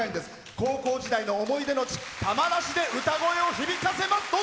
高校時代の思い出の地玉名市で歌声を響かせます。